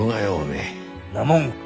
んなもん